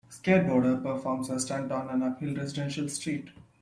Skateboarder performs a stunt on an uphill residential street.